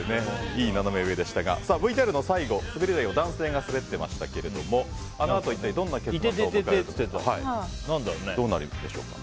いいナナメ上でしたがＶＴＲの最後滑り台を男性が滑っていましたがあのあと一体どんな結末を迎えたのか。